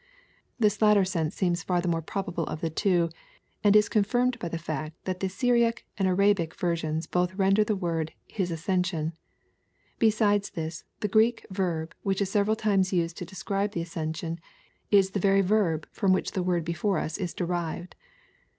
This latter sense seems far the more probable of the two, and is confirmed by the fact that the Syriac and Arabic versions both render the word, " his ascension." Besides this, the Greek verb which is several times used to describe the ascension, is the very verb from which the word before us is derived.